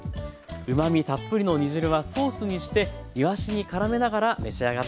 うまみたっぷりの煮汁はソースにしていわしにからめながら召し上がって下さい。